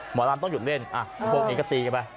หมอลำต้องหยุดเล่นพวกนี้ก็ตีกันไป